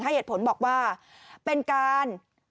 เหตุผลบอกว่าเป็นการ